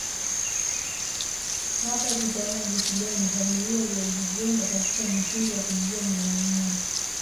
Hapa tunaona jinsi gani familia iliyojijenga katika misingi ya kumjua Mwenyezi Mungu